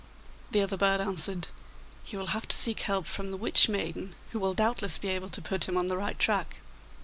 The other bird answered, 'He will have to seek help from the Witch maiden,(3) who will doubtless be able to put him on the right track.